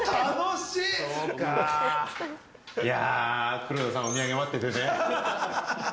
黒田さん、お土産待っててね！